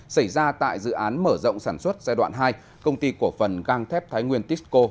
xảy ra tại dự án mở rộng sản xuất giai đoạn hai công ty cổ phần gang thép thái nguyên tisco